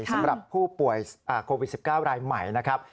สำหรับผู้ป่วยโควิด๑๙รายใหม่นะครับ